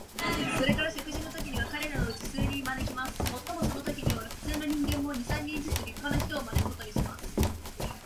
それから食事のときには、彼等のうちから数人招きます。もっともそのときには、普通の人間も、二三人ずつ立派な人を招くことにします。